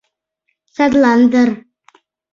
— Садлан дыр...